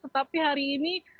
tetapi hari ini mebaikannya